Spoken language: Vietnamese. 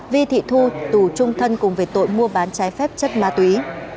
vi thị thu tù trung thân cùng về tội mua bán trái phép chất ma túy